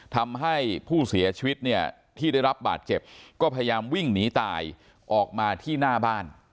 ทำให้ผู้เสียชีวิตเนี่ยที่ได้รับบาดเจ็บก็พยายามวิ่งหนีตายออกมาที่หน้าบ้าน